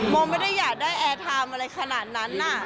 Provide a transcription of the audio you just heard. โมไม่ได้อยากได้แอร์ไทม์อะไรขนาดนั้นน่ะ